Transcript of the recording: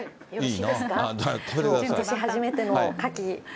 初めてのカキ。